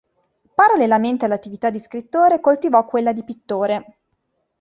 Parallelamente all'attività di scrittore coltivò quella di pittore.